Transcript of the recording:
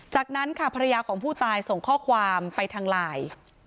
จากนั้นค่ะภรรยาของผู้ตายส่งข้อความไปทางไลน์